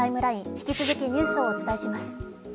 引き続きニュースをお伝えします。